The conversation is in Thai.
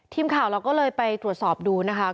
ทีมข่าวเราก็เลยไปตรวจสอบดูนะคะ